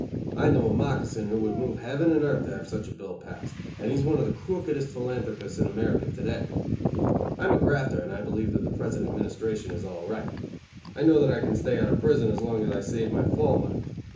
I know a moccasin who would move heaven and earth to have such a bill passed, and he is one of the crookedest philanthropists in America to day. I am a grafter, and I believe that the present administration is all right. I know that I can stay out of prison as long as I save my fall money.